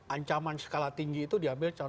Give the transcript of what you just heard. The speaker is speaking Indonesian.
ancaman skala tinggi itu diambil calon